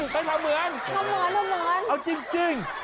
เห้ยทำเหมือนเอาจริง